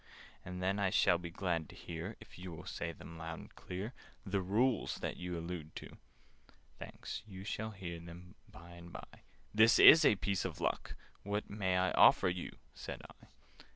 And then I shall be glad to hear— If you will say them loud and clear— The Rules that you allude to." "Thanks! You shall hear them by and by. This is a piece of luck!" "What may I offer you?" said I.